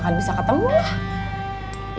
tapi bisa ketemu lah